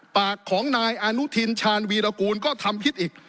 ปากของนายอนุทินชาญวีรกูลก็ทำพิษอีก